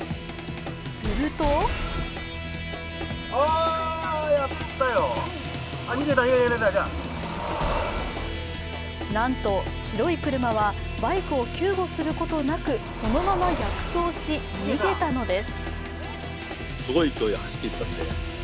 するとなんと白い車はバイクを救護することなく、そのまま逆走し、逃げたのです。